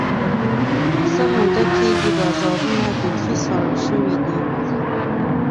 څه موده کېږي، بازارونه بیخي ساړه شوي دي.